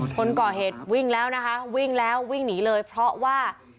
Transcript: คนก่อเหตุวิ่งแล้วนะคะวิ่งแล้ววิ่งหนีเลยเพราะว่า